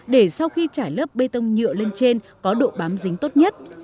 để sau khi trải lớp bê tông nhựa lên trên có độ bám dính tốt nhất